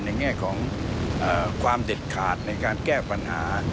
แง่ของความเด็ดขาดในการแก้ปัญหา